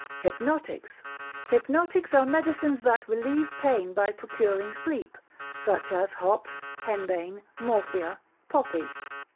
Hypnotics Hypnotics are medicines that relieve pain by procuring sleep, such as hops, henbane, morphia, poppy.